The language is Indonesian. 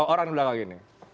orang di belakang gini